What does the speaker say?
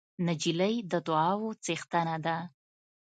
نجلۍ د دعاوو څښتنه ده.